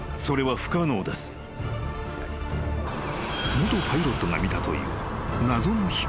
［元パイロットが見たという］